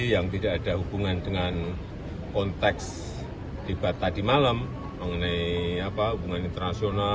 jadi yang tidak ada hubungan dengan konteks debat tadi malam mengenai hubungan internasional